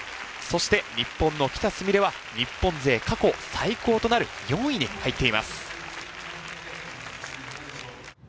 そして日本の喜田純鈴は日本勢過去最高となる４位に入っています。